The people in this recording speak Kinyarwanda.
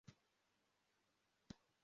Abagabo babiri barimo guteranya ibiti